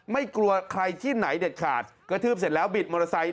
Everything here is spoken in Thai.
ไม่กลัวใครที่ไหนเด็ดขาดกระทืบเสร็จแล้วบิดมอเตอร์ไซค์